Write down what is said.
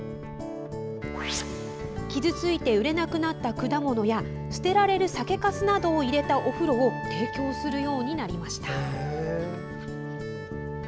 傷ついて売れなくなった果物や捨てられる酒かすなどを入れたお風呂を提供するようになりました。